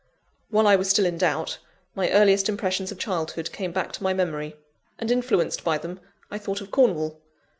While I was still in doubt, my earliest impressions of childhood came back to my memory; and influenced by them, I thought of Cornwall.